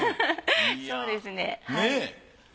そうですねはい。